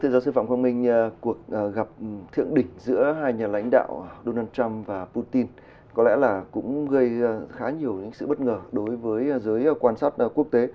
trong khi đó chính những vấn đề này đã gây khá nhiều sự bất ngờ đối với giới quan sát quốc tế